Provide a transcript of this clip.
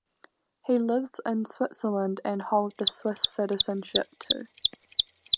He lives in Switzerland and hold the Swiss citizenship, too.